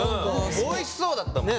おいしそうだったもん！